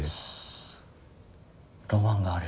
ロマンがある！